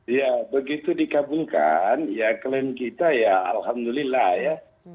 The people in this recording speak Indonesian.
ya begitu dikabulkan ya klien kita ya alhamdulillah ya